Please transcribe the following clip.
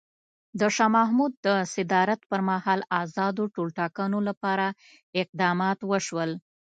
د شاه محمود د صدارت پر مهال ازادو ټولټاکنو لپاره اقدامات وشول.